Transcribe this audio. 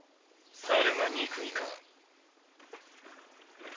「猿が憎いか？」。